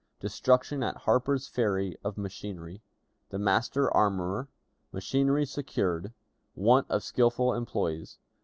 Destruction at Harper's Ferry of Machinery. The Master Armorer. Machinery secured. Want of Skillful Employees.